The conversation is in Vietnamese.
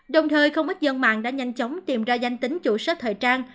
đồng thời không ít dân mạng đã nhanh chóng tìm ra danh tính chủ số thời trang